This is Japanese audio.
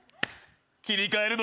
切り替える